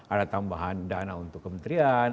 ada tambahan dana untuk kementerian